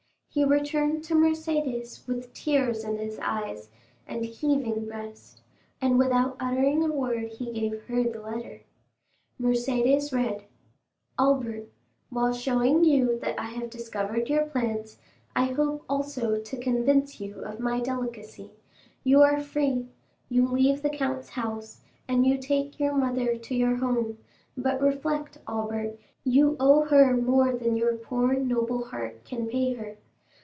He returned to Mercédès with tears in his eyes and heaving breast, and without uttering a word he gave her the letter. Mercédès read: "Albert,—While showing you that I have discovered your plans, I hope also to convince you of my delicacy. You are free, you leave the count's house, and you take your mother to your home; but reflect, Albert, you owe her more than your poor noble heart can pay her.